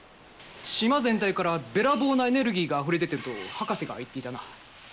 島全体からべらぼうなエネルギーがあふれ出てると博士が言っていたな。